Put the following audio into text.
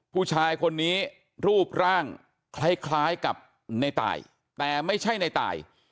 ผู้ชายคนนี้รูปร่างคล้ายกับในตายแต่ไม่ใช่ในตาย